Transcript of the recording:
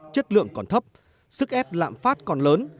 chất lượng còn thấp sức ép lạm phát còn lớn